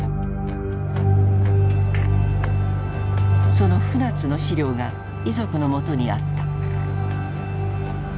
その船津の資料が遺族のもとにあった。